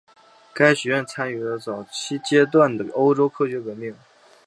该学院参与了早期阶段的欧洲科学革命。